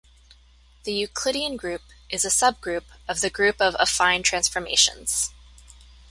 The Euclidean group is a subgroup of the group of affine transformations.